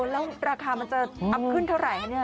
โอ้แล้วราคามันจะอัพขึ้นเท่าไหร่